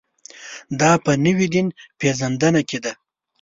دا په نوې دین پېژندنه کې ده.